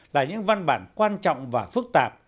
là những văn bản quan trọng và phức tạp